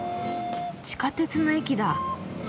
地下鉄の駅だ。